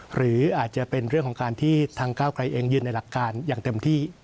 หรืออาจจะเป็นเรื่องของการที่ทางก้าวไกลเองยืนในหลักการอย่างเต็มที่